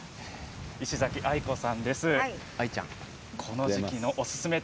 石崎愛子さんです。